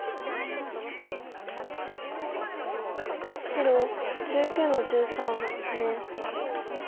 白１９の十三ハネ。